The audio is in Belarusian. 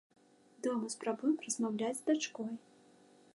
Дома спрабуем размаўляць з дачкой.